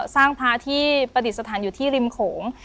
สร้างพระที่ประดิษฐานอยู่ที่ริมโขง